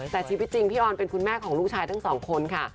แต่ชีวิตจริงพี่ออนเป็นคุณแม่ของลูกชายทั้งสองคนค่ะ